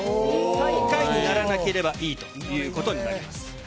最下位にならなければいいということになります。